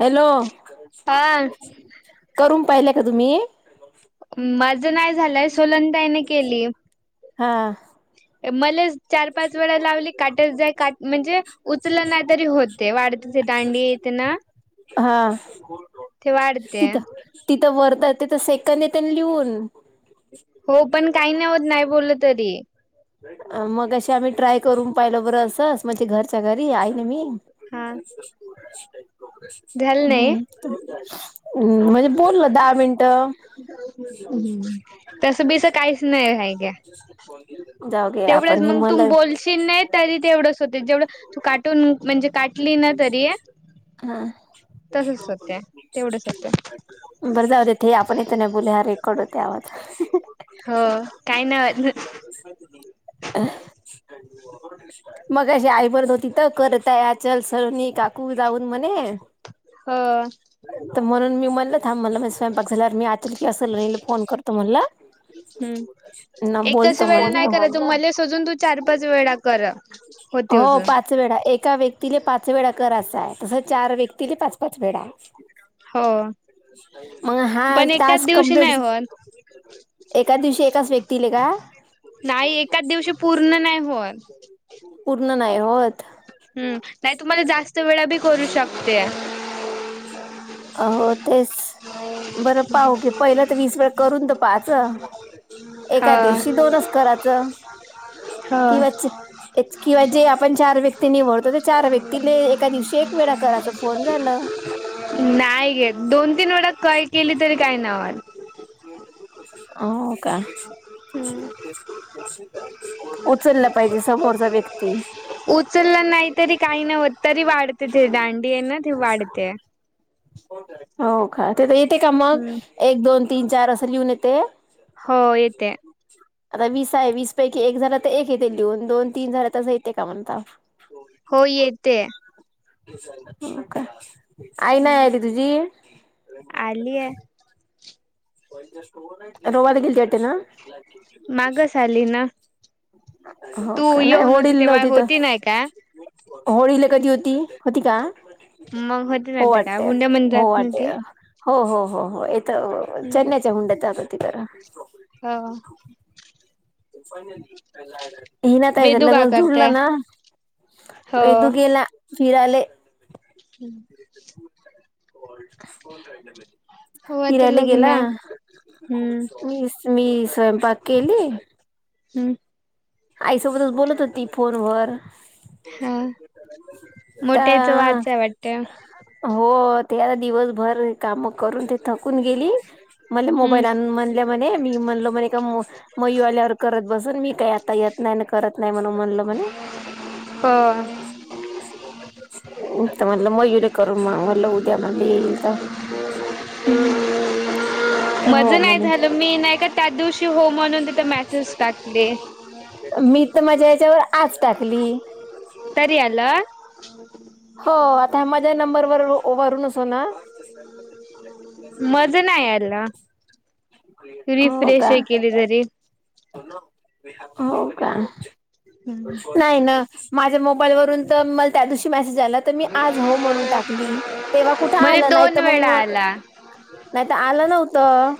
Hello हा करून पाइले का तुमी? माज नाय झालंय सोलंनताईन केलीए हा ए मले चार पाच वेळा लावली काटत जाई काट म्हणजे उचलं नाइ तरी होते वाढते ते दांडी तेंना हा वाढते. तिथं, तिथं वरतं तिथं सेकंद येते न लिहून. हो पण काही नाही होतं नाही बोलंल तरी. मगाशी आम्ही ट्राय करून पाहिलो बरं असंस म्हणजे घरच्या घरी आई अन् मी हा. झालं नाही. हो, मं म्हणजे बोल ना दहा मिनटं. हम्म् तसं, बीसं काहीच नाही हाये. जाऊ घे तेवढंच आपण हे मग मला तुम बोलशील नाही तरी तेवढंच होते, जेवढं तू काटून म्हणजे काटली ना तरी हा, तसच होते तेवढंच होते. बर जाऊदे ते आपण ते इथ नाही बोलुयात, हा रेकॉर्ड होतोय आवाज. हो काही नाही होत. मगाशी आई बोलत होती तर कर तया चल सरणी काकू जाऊन म्हणे हं, त म्हणून मी म्हणलं थांब म्हणला स्वयंपाक झाल्यावर मी, आतुल किंवा सलोणीला फोन करतो म्हणलं. हम्म. ना बोलतो म्हणलं त मले सजून तू चार, पाच वेळा कर. होते हो अजून पाच पाच वेळा, एका व्यक्तीला पाच वेळा करायचा आहे, तसं चार व्यक्तीले पाच- पाच वेळा. हो, मग हा पण एकाच टास्क दिवशी कम्प्लिट नाही होत एका दिवशी एकाच व्यक्तीले का? पुर्ण नाही होत. पुर्ण नाही होत हो हम्म, ते नाही तु मला शिवच्या जास्त शांती वेळा बी करू स्फोट शकतेय. हो तेच बरं पाहु की, पहिलं तर वीस वेळ करून तर पाच अं, एका हा दिवशी दोनचं करायचं किंवा च [inaudible] निवडतो ते चार व्यक्तीले एका दिवशी एक वेळा करायच फोन झालं नाही घेत, दोन- तीन वेळा कय, केली तरी काय नाय होत. हो का? उचलला पाहिजे समोरचा व्यक्ती उचलंला नाही तरी काही नाही होतं, तरी वाढते ते दांडी ये ना ती वाढते. हो का तिथ येते का मग एक, दोन, तीन, चार असं लिहून येते? हो येते. आता वीस आहे, वीस पैकी एक झाला तर एक येते लिहून, दोन-तीन झाले तसं येते का म्हणता? हो येते. हो का, आई नाही आली तुझी? आली ये. आता लाईट गेलती वाटतं ना? मागच आली ना, हो तू का नाही येऊन होती होळीला तेव्हा नव्हती तर होती नाही काय? होळीला कधी होती? होती का? मग होते ना हो आता काय वाटते, हुंड्या म्हण हो जात ना वाटे. ते हो -हो, हो-हो इथं अं चेन्नईच्या हुंड्यात होती तर हा, हिना ताईचं वेदू का लग्न करताय जुळलं ना. हो वैदू गेला फिरायले. हं. हो आता फिरायला लग्न गेला. आहे हम्म [unintelligible] मी स्वयंपाक केली. हं. आईसोबतच बोलत होती फोनवर. हा. मोठ्याईच तर वाच आहे वाटतं? हो. ते आता दिवसभर काम करून ते थकून गेली. मले हम्म मोबाईल आणून म्हणल्या म्हणे, मी म्हणलो म्हणे का, मयू आल्यावर करत बसल मी काय आता येत- नाही न करत नाही म्हणलं म्हणे. हो त म्हटलं मयुरीे करल मग म्हटलं उद्या म्हटलं येईल त. मज हो नाही म्हणे. झालं मी नाही का त्या दिवशी हो म्हणुन तिथे म्यासेज टाकले. मी तर माझ्या याच्यावर आज टाकली. तरी आलं? हो. आता माझ्या नंबरवर वरूनचो ना? मजं नाही यालं. हो रिफ्रेश का? ऐ केले तरी. हो का? नाही ना. माझ्या मोबाईलवरून तर मला त्या दिवशी म्यासेज- झाला तर मी आज हो म्हणून टाकली. तेव्हा कुठं म्हणजे आला नाही दोन तर वेळा मंग आला - नाही त आलं नव्हतं.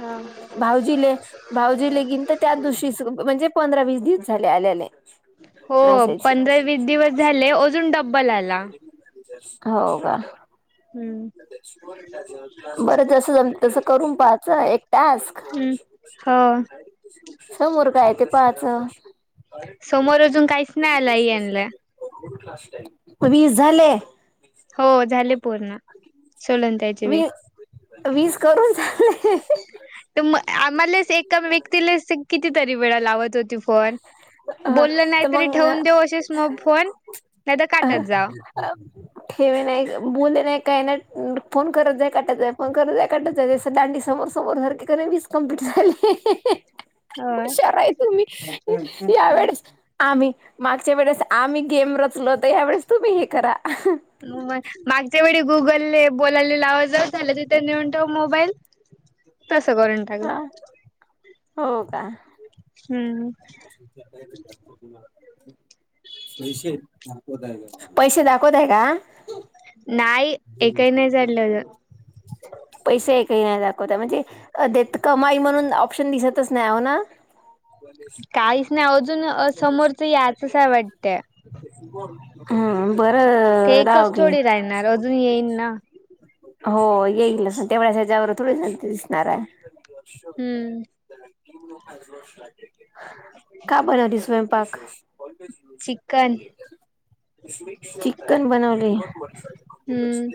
हां. भाऊजीले, भाउजीले [unintelligible] तर त्याच दिवशी म्हणजे पंधरा वीस दिस झाले आल्याले. हो. पंधरा वीस दिस झाले अजून डब्बल आला. हो का? हम्म. बरं जस जमतं तस करून पाहाच एक टास्क. हां. समोर काय ए ते पाहाचं. समोर अजून काहीच नाही आला येनला. वीस झाले. हो झाले पूर्ण. वी [unintelligible] वीस करून झाले. त म आम्हालेच. एका व्यक्तीलाच कितीतरी वेळा लावत होती फोन. बोललं तर नाही तरी मग. ठेवून देऊ असेच म फोन. नाही तर अ काटत जाव. [inaudible] ठेवे नाहीग. बोलले नाही काय नाय. फोन करत जाय काटत जाय. फोन करत जाय काटत जाय. जसं दांडी समज. समोरसारखे कर वीस कंप्लीट झाले. हुशार आहे तुम्ही. हो. यावेेळेस आम्ही. मागच्या वेळेस आम्ही गेम रचलो होतो. यावेेळेस तुम्ही हे करा. मागच्या वेळी गुगलले बोलायले लावत जाऊन झालं तिथे नेऊन ठेव मोबाईल. तसं करुन टाकलं. हो का? हम्म. पैसे दाखवतय का आं. नाही, एकही नाही झाललं. पैसे एक काही नाही दाखवता म्हणजे, अ देत कमाई म्हणून ऑप्शन दिसतच नाही, हो ना. काहीच नाही अजून समोरचं याचच काय वाटतंय. हम् ते बरं, एकच रावगे. थोडी राहणार अजून [inaudible] येईन ना हो येईल, अस तेव त्याच्यावर थोडीती दिसणार हाय. हम्म का बनवती स्वयंपाक? बोलच चिकन काले, [inaudible] चिकन बनवले. हम्म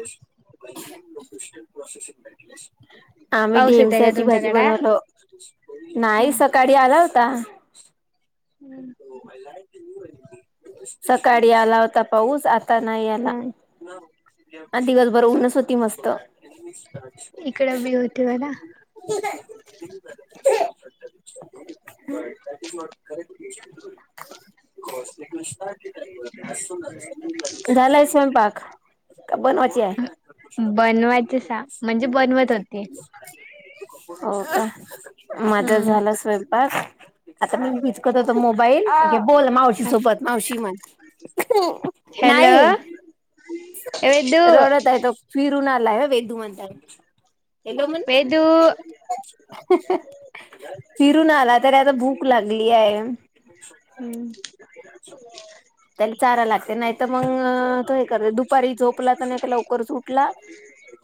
शू शूशु.. लोके प्रश [inaudible] अम्ही पाऊस येतय का गेम्सची भाजी तुमच्याकडे? बनवलो, नाही सकाळी आला होता. हम्म [unintelligible] [unintelligible] सकाळी आला होता. पाऊस, आता नाही आला. हा आणि दिघस बर ऊनच होती मस्त. इकड बी होती ऊन. [inaudible] [inaudible] झाला का स्वयंपाक? का बनवायची आहे? बनवायच सा म्हणजे बनवत होते. मझा हम्म झाला स्वयंपाक आता मी बी कद दे मोबाईलमाओव शी [inaudible] की, सोबत मावशी मनत हॅलो नाही. ए वेदू रडत हे त फिरुन आला हा वेदू मनता वेदु म्हना. वेदू हह! ! फिरून आला तरी आता भूक लागली आहे. हम्म! [inaudible] त्याला चारा लागतेनाहीतर मग, तो हे करत दुपारी झोपला नाही तर लवकरच उठला.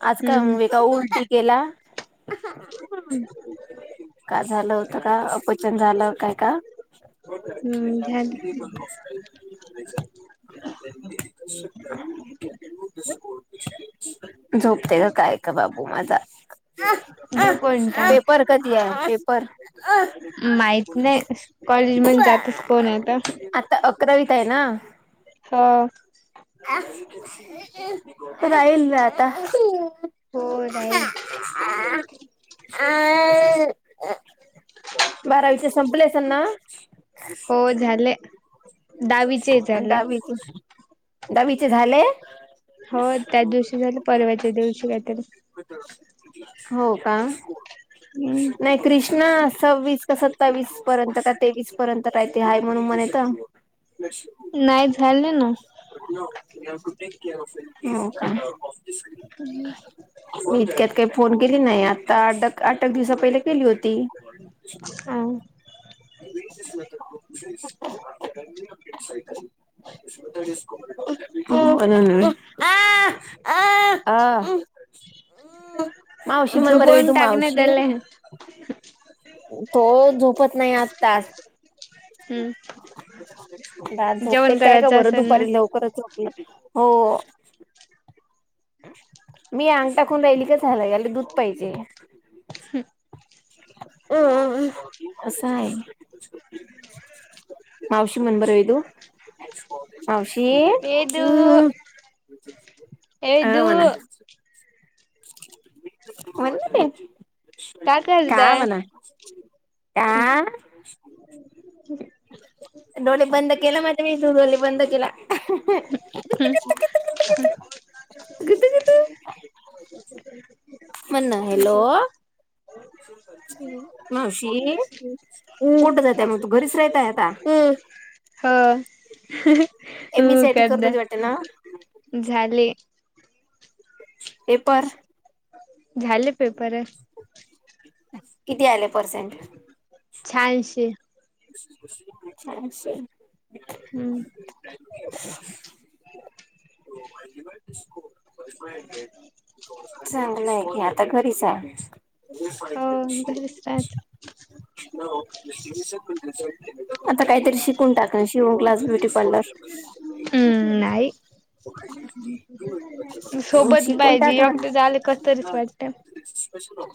आज काय बे का उंलटी केला. हम्! का झालं होत का अपचन झालं काय का? हम्म झाली की, [inaudible] झोपते का काय का बाबू माझा. जो कोण टांग पेपर कधी आ पेपर? माहित नाही, कॉलेज मण जातच कोण आहे आता. आता अकरावीत आहे ना! हां! !.. तो राहील ना आता. हो राहील. [inaudible] बारावीचे संपले असलं ना. हो झाले, दहावीचे ही आणि झाले. दहावीचे दहावीचे झाले. हो त्या दिवशी झालं, परवाच्या दिवशी का तरी. [unintelligible] हो का? हम्म [inaudible] नाही? कृष्णा सव्वीस का सत्तावीस पर्यंत का तेवीस पर्यंत राहते हाय म्हणून म्हणता! निश [unintelligible] नाही झाले ना. हो का? मी इतक्यात काही, फोन केली नाही? आता आठक आठक दिवसा पहिले केली होती. [unintelligible] [inaudible] हा [unintelligible] [unintelligible] [unintelligible] [unintelligible] [inaudible] [unintelligible] ज अपडेट [unintelligible] [inaudible] हो [inaudible] अ अ उम अ! ! मावशी म्हण बर व झोपवून तू टाकणे मावशी! त्याले [unintelligible] [unintelligible] तो झोपत नाही आत्ताच. हम्म दार झाकते जेवण काय ग करायचं बरं असेल ना दुपारी लवकरच झोपले तु हो. मी अंग टाकून राहिली का झालं, याला दूध पाहिजे. हम. अस हाय. मावशी म्हण बरं वेदू मावशी ए हम् दू हम्‌. [unintelligible] ये वेधू, म्हणा की का म्हणा? का, [unintelligible] दोन्ही बंद केला म त्याने दोन्ही बंद केला. [unintelligible] म्हणणा हॅलो? [inaudible] मावशी उठ जाते मग तू घरीच राहताय आता. हो हो तू एम ई साठी करत करदा होती वाटते ना झाले. पेपर, झाले पेपर. किती आले पर्सेंट? छहाऐंशी. छहाऐंशी. हम्म. [unintelligible] चांगलं हाय कि आता घरीच आहे. हो घरीच राहत [inaudible] आता काहीतरी शिकून टाकण शिवण क्लास, ब्युटी पार्लर. हम्म नाही [unintelligible] मग सोबत शिकून पाहिजे टाक ना. एकटे झाले कस तरीच वाटत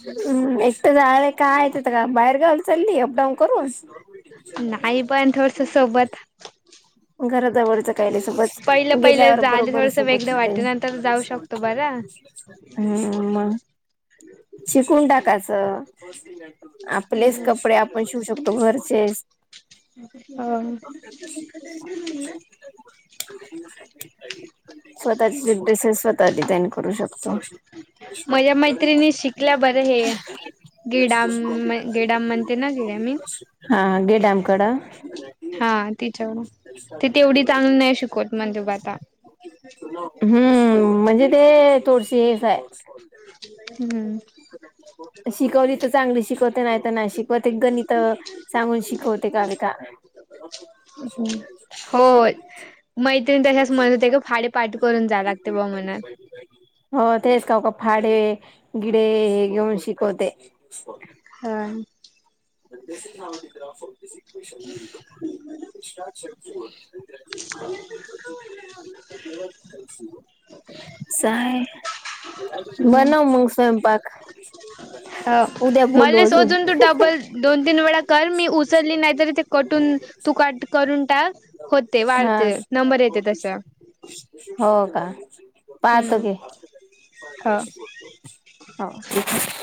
हम्म एक तर राहाल काय ते का बाहेर गावी चालली अपडाऊन करून? नाही पण थोडस सोबत. घराजवळचं कायल्यासोबत. पहिलं पहिलं गेल्यावर झाले बरोबर थोडस वेगळं समजतं वाटते नंतर जाऊ शकतो बरा हम् मग शिकून टाकाचं आपलेच कापडे आपण शिवू शकतो घरचेच. अहं [unintelligible] स्वतःची ड्रेसेस स्वतः डिझाईन करू शकतो. माझ्या मैत्रिणी शिकल्या बरं हे [unintelligible] गेडाम गेडाम म्हणते ना गेडामीन हा गे डॅमकडं. हा तिच्यावर ति तेवढी चांगली नाही शिकवत म्हणतेत बा आता. हम्म म्हणजे ते थोडीशी हेच आहे. हम्म शिकवली तर चांगली शिकवते, नाही तर नाही शिकवते गणित सांगून शिकवते. खोटी कागदा. होय मैत्रिणी तशाच म्हणत होते की पाढे पाठ करून जावं लागते बा म्हणून हो तेच का का फाडे गिडे हे घेऊन शिकवते. हां [unintelligible] तसं का व्हायला लागलं [inaudible] बनव मग स्वयंपाक हो उद्या बोलू मला अजून. सोजून तू डबल दोन तीन वेळा कर, मी उचलली नाहीतरी ते कटून, तू काट करून टाक. होते, हा वाढते नंबर येते तसं. हो का, पाहतो हम्म घे. ह हो.